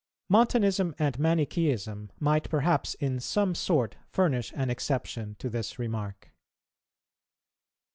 Montanism and Manicheeism might perhaps in some sort furnish an exception to this remark.